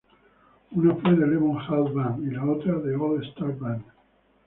Una fue The Levon Helm Band y la otra, The All Star Band.